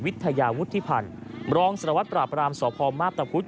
วิทยาวุฒิพันธ์รองสารวัตรปราบรามสพมาพตะพุธ